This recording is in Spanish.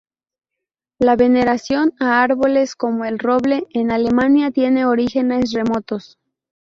La veneración a árboles como el roble en Alemania tiene orígenes remotos.